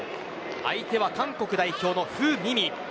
相手は韓国代表のフー・ミミ。